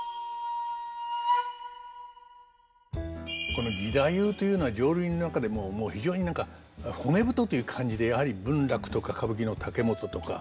この義太夫というのは浄瑠璃の中でも非常に何か骨太という感じでやはり文楽とか歌舞伎の竹本とか男性のイメージ